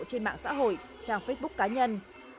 trên mạng xã hội trang facebook cá nhân